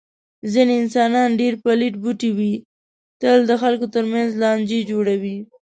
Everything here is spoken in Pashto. ځنې انسانان ډېر پلیت بوټی وي. تل د خلکو تر منځ لانجې جوړوي.